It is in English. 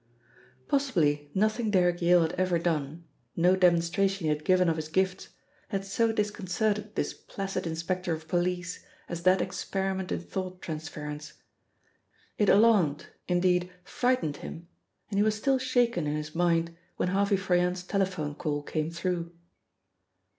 Possibly nothing Derrick Yale had ever done, no demonstration he had given of his gifts, had so disconcerted this placid inspector of police as that experiment in thought transference. It alarmed, indeed, frightened him, and he was still shaken in his mind when Harvey Froyant's telephone call came through.